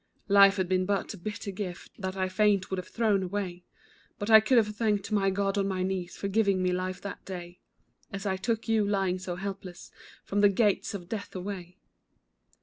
Life had been but a bitter gift, That I fain would have thrown away, But I could have thanked my God on my knees, For giving me life that day, As I took you, lying so helpless, From the gates of death away.